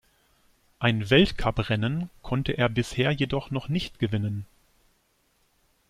Ein Weltcuprennen konnte er bisher jedoch noch nicht gewinnen.